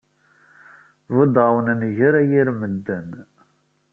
Buddeɣ-awen angar a yir medden!